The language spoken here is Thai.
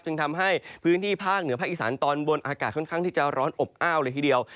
จึงทำให้พื้นที่ภาคเหนือภาคอีสานตอนบนอากาศค่อนข้างที่จะร้อนอบอ้าวเลยทีเดียว